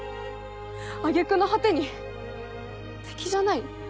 挙げ句の果てに「敵じゃない」？